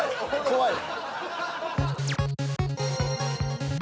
怖い？